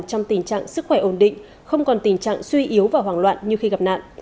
trong tình trạng sức khỏe ổn định không còn tình trạng suy yếu và hoảng loạn như khi gặp nạn